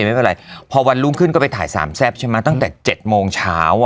ไม่เป็นไรพอวันรุ่งขึ้นก็ไปถ่ายสามแซ่บใช่ไหมตั้งแต่๗โมงเช้าอ่ะ